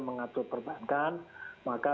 mengatur perbankan maka